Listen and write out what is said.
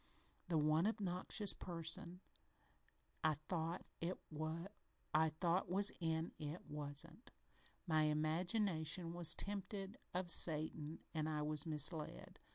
The one obnoxious person I thought was in it wasn't. My imagination was tempted of Satan an' I was misled.